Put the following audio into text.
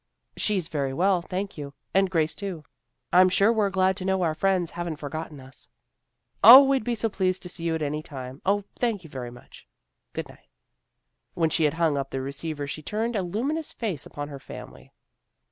" She's very well, thank you, and Grace too." " I'm sure we're glad to know our friends haven't forgotten us." " 0, we'd be so pleased to see you any time. 0, thank you, very much. Good night." When she had hung up the receiver she turned a luminous face upon her family.